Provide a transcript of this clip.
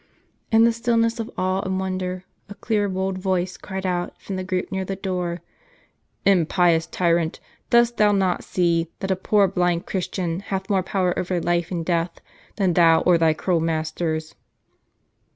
Li U ® In the stillness of awe and wonder, a clear bold voice cried out, from the group near the door: "Impious tyrant, dost thou not see, that a poor blind Christian hath more power over life and death, than thou or thy cruel masters?"